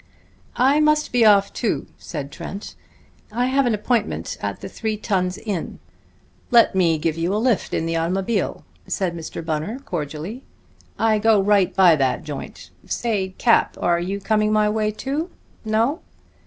"I must be off, too," said Trent. "I have an appointment at the Three Tuns inn." "Let me give you a lift in the automobile," said Mr. Bunner cordially. "I go right by that joint. Say, Cap, are you coming my way, too? No?